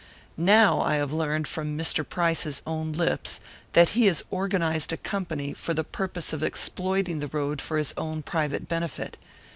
Now I have learned from Mr. Price's own lips that he has organised a company for the purpose of exploiting the road for his own private benefit.